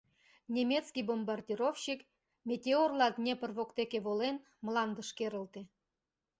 Немецкий бомбардировщик, метеорла Днепр воктеке волен, мландыш керылте.